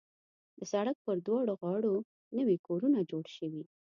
د سړک پر دواړه غاړو نوي کورونه جوړ شوي.